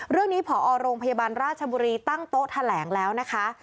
ผอโรงพยาบาลราชบุรีตั้งโต๊ะแถลงแล้วนะคะ